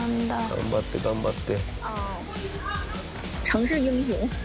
頑張って頑張って。